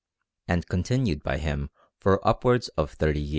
and continued by him for upwards of thirty years.